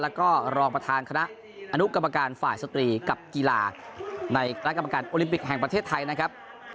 แล้วก็รองประธานคณะอนุกรรมการฝ่ายสตรีกับกีฬาในคณะกรรมการโอลิมปิกแห่งประเทศไทยนะครับ